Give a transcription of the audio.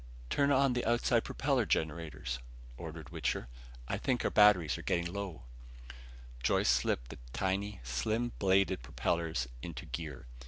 "Turn on the outside generator propellers," ordered Wichter. "I think our batteries are getting low." Joyce slipped the tiny, slim bladed propellers into gear.